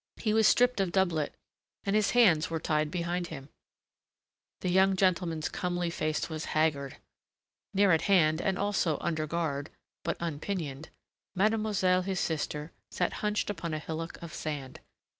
He was stripped of doublet, and his hands were tied behind him. The young gentleman's comely face was haggard. Near at hand, and also under guard, but unpinioned, mademoiselle his sister sat hunched upon a hillock of sand.